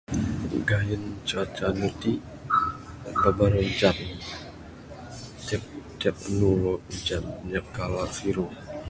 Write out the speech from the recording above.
Gayen cuaca anu ti babar ujan, tiap tiap anu ujan, nyap kala siru.